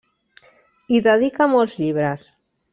Hi dedica molts llibres.